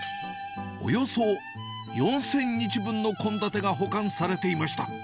およそ４０００日分の献立が保管されていました。